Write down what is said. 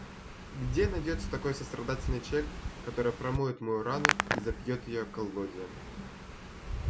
Где найдется такой сострадательный человек, который промоет мою рану и запьет ее коллодием!?